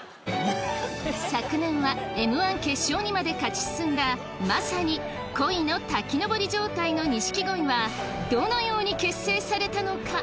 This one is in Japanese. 昨年は『Ｍ−１』決勝にまで勝ち進んだまさに状態の錦鯉はどのように結成されたのか？